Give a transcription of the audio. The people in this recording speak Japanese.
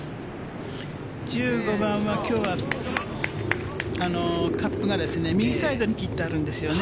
１５番は、きょうはカップが右サイドに切ってあるんですよね。